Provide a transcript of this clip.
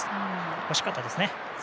惜しかったですね。